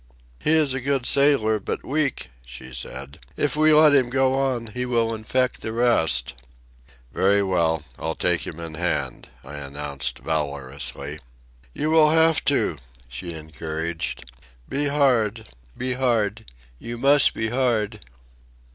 "He is a good sailor, but weak," she said. "If we let him go on, he will infect the rest." "Very well, I'll take him in hand," I announced valorously. "You will have to," she encouraged. "Be hard. Be hard. You must be hard."